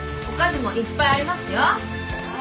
こっちにもいっぱいありますよ